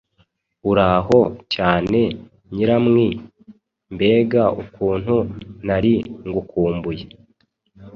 Uraho cyane Nyiramwi! Mbega ukuntu nari ngukumbuye!